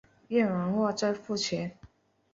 验货完再付钱